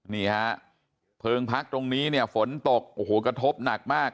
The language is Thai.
นี่ฮะเพลิงพักตรงนี้เนี่ยฝนตกโอ้โหกระทบหนักมาก